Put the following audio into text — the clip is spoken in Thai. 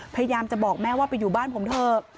พยายามจะบอกแม่ว่าไปอยู่บ้านผมเถอะ